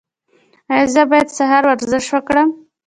ایا زه باید سهار ورزش وکړم؟